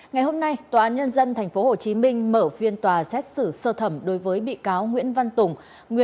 ngày hôm nay tòa án nhân dân tp hcm mở phiên tòa xét xử sơ thẩm đối với bị cáo nguyễn văn tùng